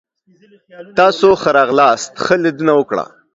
تاسو ښه راغلاست. ښه لیدنه وکړه!